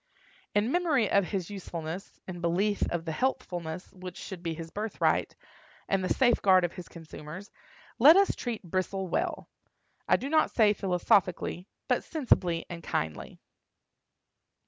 In memory of his usefulness, in belief of the healthfulness which should be his birthright, and the safeguard of his consumers, let us treat Bristle well—I do not say philosophically, but sensibly and kindly.